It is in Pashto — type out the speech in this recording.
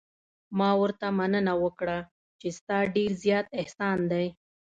ما ورته مننه وکړه چې ستا ډېر زیات احسان دی.